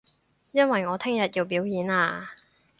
因為我聽日要表演啊